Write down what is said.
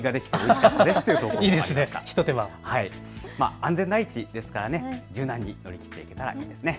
安全第一ですから柔軟に乗り切っていけたらいいですね。